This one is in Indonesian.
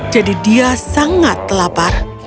jadi dia sangat lapar